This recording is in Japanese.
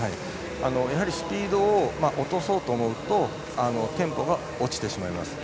やはりスピードを落とそうと思うとテンポが落ちてしまいます。